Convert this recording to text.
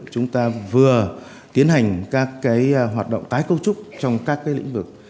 chúng ta vừa tiến hành các hoạt động tái cấu trúc trong các lĩnh vực